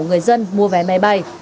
người dân mua vé máy bay